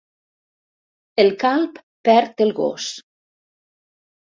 El calb perd el gos.